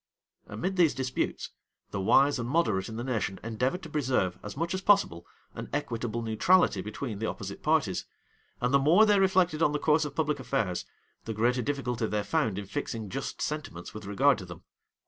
Amidst these disputes, the wise and moderate in the nation endeavored to preserve, as much as possible, an equitable neutrality between the opposite parties; and the more they reflected on the course of public affairs, the greater difficulty they found in fixing just sentiments with regard to them.